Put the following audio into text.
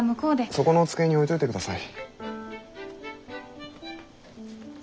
そこの机に置いといてください。